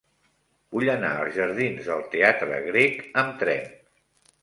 Vull anar als jardins del Teatre Grec amb tren.